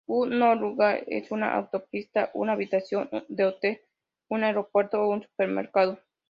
Un no-lugar es una autopista, una habitación de hotel, un aeropuerto o un supermercado...